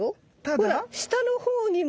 ほら下のほうにも。